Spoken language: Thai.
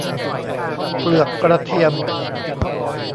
เปลือกกระเทียม